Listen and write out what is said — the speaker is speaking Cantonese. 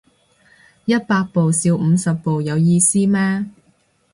一百步笑五十步有意思咩